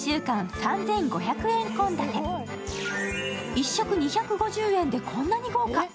１食２５０円でこんなに豪華。